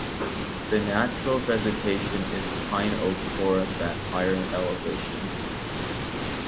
The natural vegetation is pine–oak forest at higher elevations.